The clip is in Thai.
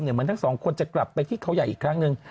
เหมือนทั้งสองคนจะกลับไปที่เขาใหญ่อีกครั้งหนึ่ง